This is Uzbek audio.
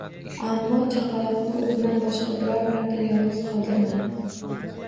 Ammo chaqaloqni u bilan boshqa biror marta yolg'iz qoldirmadi.